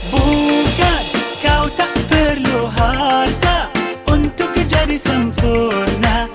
bukan kau tak perlu harta untuk menjadi sempurna